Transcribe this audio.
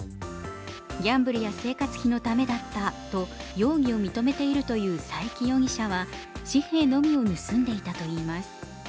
ギャンブルや生活費のためだったと容疑を認めているという佐伯容疑者は紙幣のみを盗んでいたといいます。